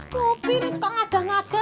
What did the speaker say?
popi ini suka ngadah ngadah